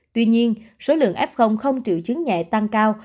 tuy nhiên số lượng f không triệu chứng nhẹ tăng cao